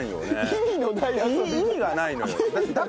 意味がないのよ。